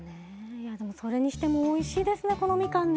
いやでもそれにしてもおいしいですねこのみかんね。